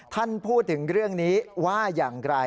ท่านพูดถึงเรื่องนี้ว่าอย่างไร